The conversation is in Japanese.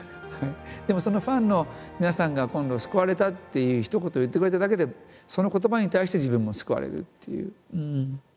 でもそのファンの皆さんが今度「救われた」っていうひと言を言ってくれただけでその言葉に対して自分も救われるっていう。